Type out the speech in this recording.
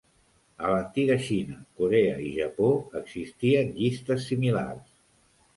A l'antiga Xina, Corea i Japó existien llistes similars.